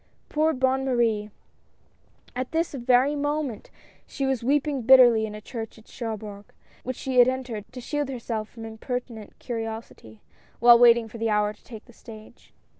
Poor Bonne Marie ! At this very moment she was weeping bitterly in a church at Cherbourg, which she had entered to shield herself from impertinent curi osity, while waiting for the hour to take the stage.